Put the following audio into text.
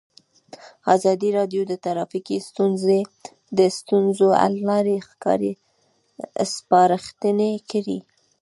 ازادي راډیو د ټرافیکي ستونزې د ستونزو حل لارې سپارښتنې کړي.